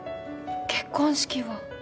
結婚式は？